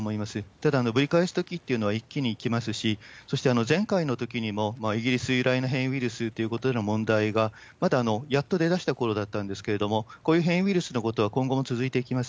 ただ、ぶり返し時っていうのは一気に来ますし、そして前回のときにも、イギリス由来の変異ウイルスということの問題がまだやっと出だしたころだったんですけれども、こういう変異ウイルスのことは今後も続いていきます。